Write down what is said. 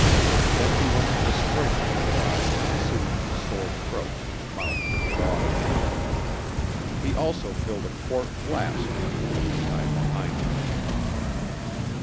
Then he went to the spring nearby and soothed his sore throat and mouth with water. He also filled a quart flask which he tied behind him.